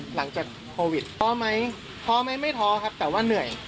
หลังจากโควิดท้อไหมท้อไหมไม่ท้อครับแต่ว่าเหนื่อย